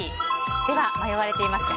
では迷われていました